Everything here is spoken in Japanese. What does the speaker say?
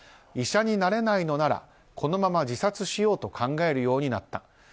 医者になれないのならこのまま自殺しようと考えるようになった。